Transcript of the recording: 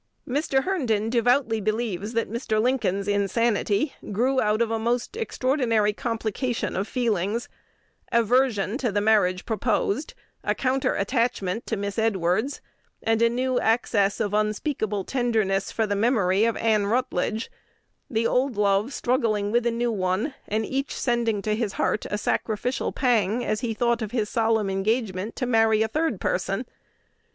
Mr. Herndon devoutly believes that Mr. Lincoln's insanity grew out of a most extraordinary complication of feelings, aversion to the marriage proposed, a counter attachment to Miss Edwards, and a new access of unspeakable tenderness for the memory of Ann Rutledge, the old love struggling with a new one, and each sending to his heart a sacrificial pang as he thought of his solemn engagement to marry a third person.